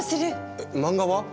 えっ漫画は？